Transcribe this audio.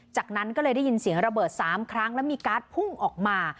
จากนั้นก็เลยได้ยินเสียงระเบิด๓ครั้งแล้วมีการ์ดพุ่งออกมา